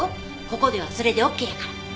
ここではそれでオッケーやから。